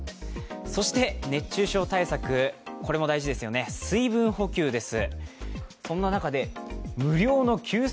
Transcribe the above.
そして熱中症対策、これも大事ですよね、水分補給です